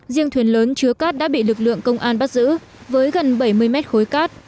riêng thuyền lớn chứa cát đã bị lực lượng công an bắt giữ với gần bảy mươi mét khối cát